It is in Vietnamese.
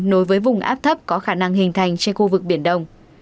nối với vùng áp thấp có khả năng hình thành trên khu vực biển đông